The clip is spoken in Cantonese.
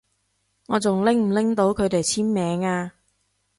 我仲拎唔拎到佢哋簽名啊？